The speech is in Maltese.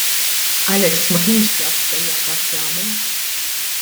Alex ma kienx jaf x'ser jaqbad jagħmel.